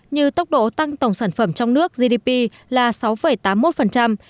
như tốc độ tăng tổng sản phẩm trong nước gdp là sáu tám mươi một